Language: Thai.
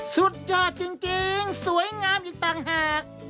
สุดยอดจริงสวยงามอีกต่างหาก